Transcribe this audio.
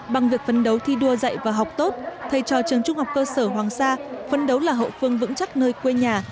bằng việc phấn đấu thi đua dạy và học tốt thầy trò trường trung học cơ sở hoàng sa phân đấu là hậu phương vững chắc nơi quê nhà